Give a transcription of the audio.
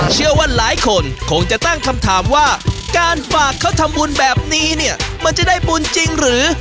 เชื่อว่าหลายคนคงจะตั้งคำถามว่าการฝากเขาทำบุญแบบนี้เนี่ยมันจะได้บุญจริงหรือ